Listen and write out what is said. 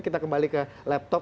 kita kembali ke laptop